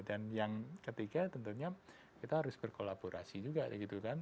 dan yang ketiga tentunya kita harus berkolaborasi juga gitu kan